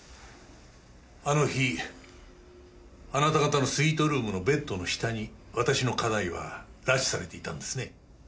あの日あなた方のスイートルームのベッドの下に私の家内は拉致されていたんですね。